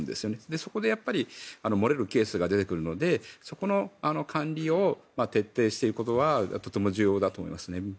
そこで漏れるケースが出てくるのでそこの管理を徹底していくことはとても重要だと思いますね。